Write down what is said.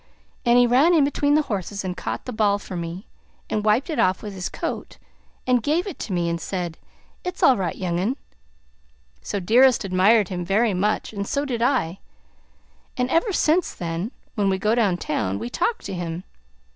and he ran in between the horses and caught the ball for me and wiped it off with his coat and gave it to me and said, 'It's all right, young un.' So Dearest admired him very much, and so did I, and ever since then, when we go down town, we talk to him.